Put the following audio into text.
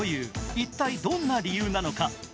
一体どんな理由なのか。